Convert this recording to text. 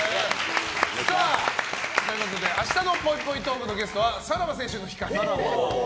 明日のぽいぽいトークのゲストはさらば青春の光です。